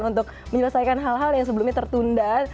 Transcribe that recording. untuk menyelesaikan hal hal yang sebelumnya tertunda